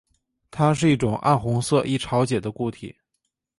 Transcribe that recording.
它是一种暗红色易潮解的固体。